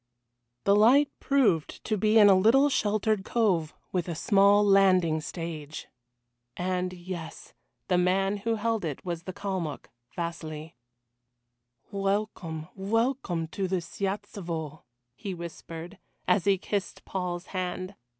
The light proved to be in a little sheltered cove, with a small landing stage. And yes the man who held it was the Kalmuck, Vasili. "Welcome, welcome to the Siyatelstvo," he whispered, as he kissed Paul's hand.